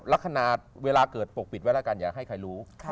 ลักษณะเวลาเกิดปกปิดไว้แล้วกันอย่าให้ใครรู้